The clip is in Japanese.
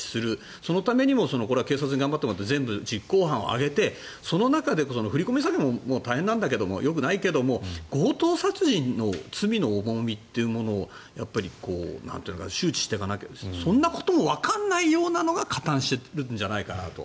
そのためにもこれは警察に頑張ってもらって全部、実行犯を挙げてその中で振り込め詐欺も大変なんだけど、よくないけど強盗殺人の罪の重みというものを周知していかなきゃそんなこともわからないようなのが加担しているんじゃないかなと。